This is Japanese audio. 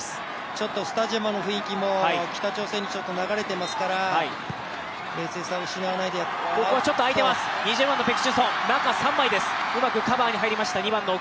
ちょっとスタジアムの雰囲気も北朝鮮に流れていますから冷静さを失わないでいいカバーですね